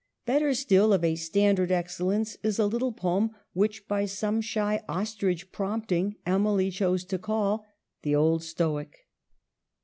" Better still, of a standard excellence, is a little poem, which, by some shy ostrich prompting, Emily chose to call THE OLD STOIC.